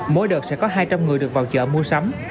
mỗi đợt sẽ có hai trăm linh người được vào chợ mua sắm